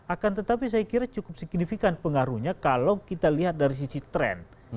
akan tetapi saya kira cukup signifikan pengaruhnya kalau kita lihat dari sisi tren